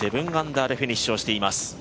７アンダーでフィニッシュしています。